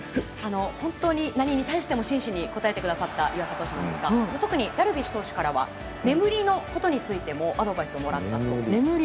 本当に何に対しても真摯に答えてくださった湯浅投手なんですが特にダルビッシュ投手からは眠りのことについてアドバイスをもらったそうです。